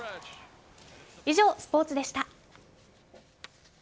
以上、スポーツでした。